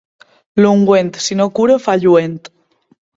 L'ungüent, si no cura, fa lluent.